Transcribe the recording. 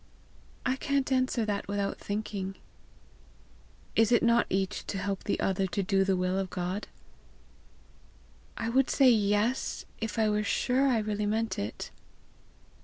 "I can't answer that without thinking." "Is it not each to help the other to do the will of God?" "I would say YES if I were sure I really meant it."